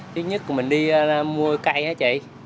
trước nhất mình đi mua cây hả chị